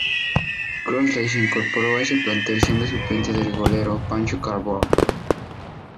Crossley se incorporó a ese plantel siendo suplente del golero Pancho Carbone.